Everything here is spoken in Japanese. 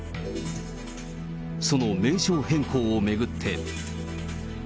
その名称変更を巡って。